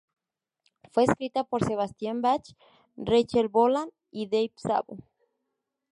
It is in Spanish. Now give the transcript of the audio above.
Fue escrita por Sebastian Bach, Rachel Bolan y Dave Sabo.